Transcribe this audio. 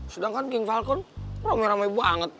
sedangkan king falcon rame rame banget